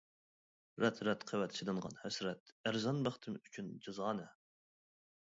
رەت-رەت قەۋەت سېلىنغان ھەسرەت، ئەرزان بەختىم ئۈچۈن جازانە.